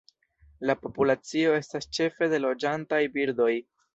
La populacio estas ĉefe de loĝantaj birdoj.